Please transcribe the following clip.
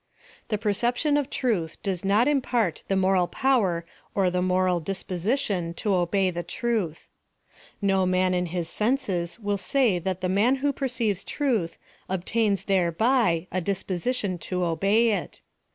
The perception of truth doci not impart the moral power or the PLAN OF SALVATION. 273 moral disposition to obey the truth. No man in his senses will say that the man who perceives truth obtains thereby a disposition to obey it.